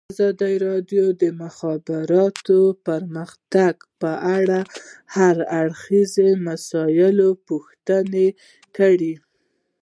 ازادي راډیو د د مخابراتو پرمختګ په اړه د هر اړخیزو مسایلو پوښښ کړی.